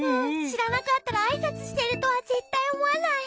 しらなかったらあいさつしてるとはぜったいおもわない。